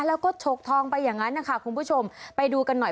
แล้วก็ฉกทองไปอย่างนั้นนะคะคุณผู้ชมไปดูกันหน่อย